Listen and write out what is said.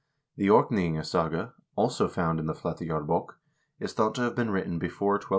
The " Orkneyingasaga," also found in the "Flateyjarb6k," is thought to have been written before 1250.